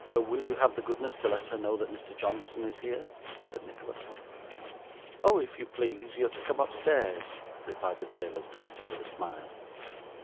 'Will you have the goodness to let her know that Mr. Johnson is here?' said Nicholas. 'Oh, if you please, you're to come upstairs,' replied the tailor's daughter, with a smile.